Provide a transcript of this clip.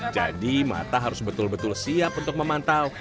jadi mata harus betul betul siap untuk memantau